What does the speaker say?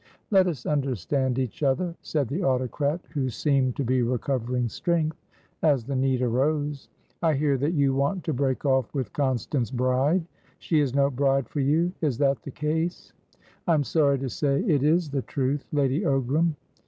"Let us understand each other," said the autocrat, who seemed to be recovering strength as the need arose. "I hear that you want to break off with Constance Bride. She is no bride for you. Is that the case?" "I am sorry to say it is the truth, Lady Ogram."